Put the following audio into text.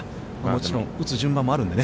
もちろん打つ順番もあるんで。